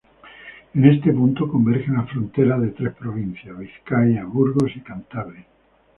En este punto convergen las fronteras de tres provincias: Vizcaya, Burgos y Cantabria.